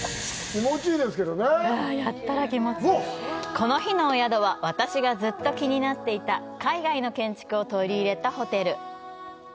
この日のお宿は、私がずっと気になっていた海外の建築を取り入れたホテル。